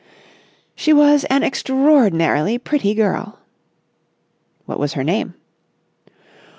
"She was an extraordinarily pretty girl...." "What was her name?"